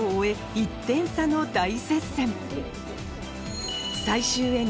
１点差の大接戦